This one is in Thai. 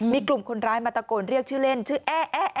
มีกลุ่มคนร้ายมาตะโกนเรียกชื่อเล่นชื่อแอ๊